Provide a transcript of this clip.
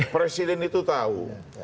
presiden itu tahu